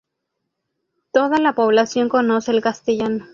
Toda la población conoce el castellano.